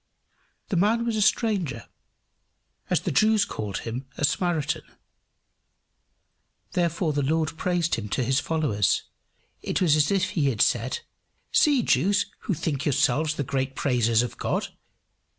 This man was a stranger, as the Jews called him, a Samaritan. Therefore the Lord praised him to his followers. It was as if he had said, "See, Jews, who think yourselves the great praisers of God!